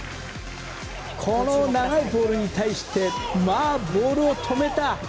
この長いボールに対してボールを止めた。